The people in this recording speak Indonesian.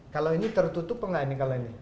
kalau ini tertutup apa nggak ini kalau ini